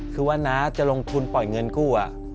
คือว่าน้าจะลงทุนปล่อยเงินกู้